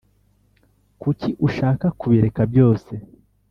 Kuki ushaka kubireka byose